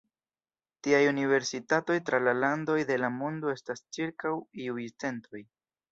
Tiaj universitatoj tra la landoj de la mondo estas ĉirkaŭ iuj centoj.